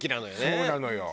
そうなのよ。